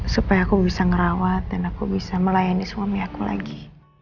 supaya aku bisa ngerawat dan aku bisa melayani suami aku lagi